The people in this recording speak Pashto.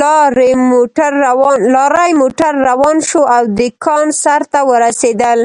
لارۍ موټر روان شو او د کان سر ته ورسېدل